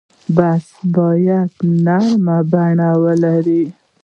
بحث باید نرمه بڼه ولري.